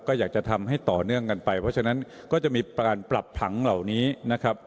ก็อยากจะทำให้ต่อเนื่องกันไปเพราะฉะนั้นก็จะมีการปรับผังเหล่านี้นะครับ